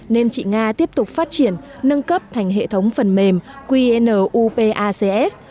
nên chị nga tiếp tục phát triển nâng cấp thành hệ thống phần mềm qnupacs